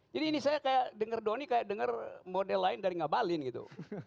jadi ini saya dengar doni kayak dengar model lain dari ngabalin gitu